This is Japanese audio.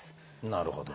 なるほど。